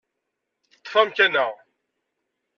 Ṭṭef amkan-a.